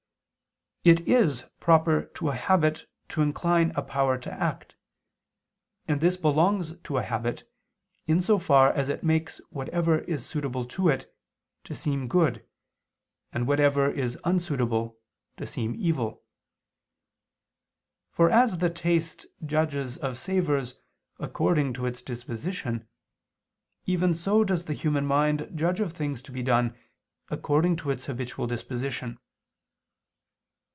It is proper to a habit to incline a power to act, and this belongs to a habit, in so far as it makes whatever is suitable to it, to seem good, and whatever is unsuitable, to seem evil. For as the taste judges of savors according to its disposition, even so does the human mind judge of things to be done, according to its habitual disposition.